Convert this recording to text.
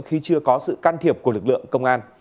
khi chưa có sự can thiệp của lực lượng công an